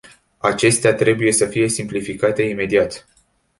Acestea trebuie să fie simplificate imediat.